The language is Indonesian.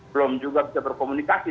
belum juga bisa berkomunikasi